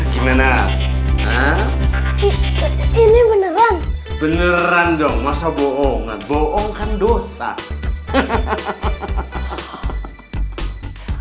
gimana ini beneran beneran dong masa bohongan bohongkan dosa hahaha